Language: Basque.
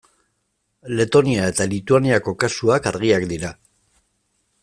Letonia eta Lituaniako kasuak argiak dira.